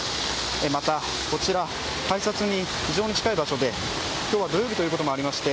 また、こちら改札に非常に近い場所で今日は土曜日ということもありまして